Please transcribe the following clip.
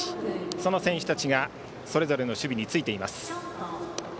その選手たちがそれぞれの守備についています。